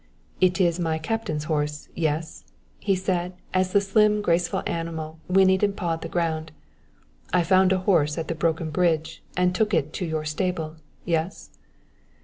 "It is my captain's horse yes?" he said, as the slim, graceful animal whinnied and pawed the ground. "I found a horse at the broken bridge and took it to your stable yes?"